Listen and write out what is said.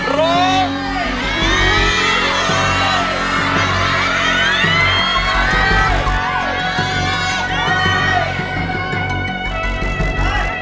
ร้อง